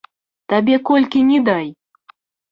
Табе колькі ні дай!